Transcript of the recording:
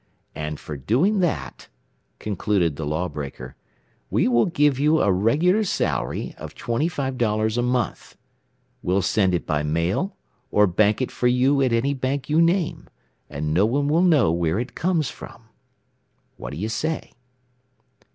"And for doing that," concluded the law breaker, "we will give you a regular salary of $25 a month. We'll send it by mail, or bank it for you at any bank you name, and no one will know where it comes from. "What do you say?"